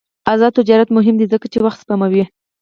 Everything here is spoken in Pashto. آزاد تجارت مهم دی ځکه چې وخت سپموي.